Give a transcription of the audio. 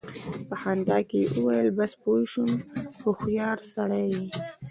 په خندا کې يې وويل: بس! پوه شوم، هوښيار سړی يې!